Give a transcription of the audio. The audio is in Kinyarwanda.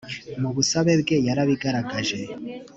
mu busabe bwe yarabigaragaje.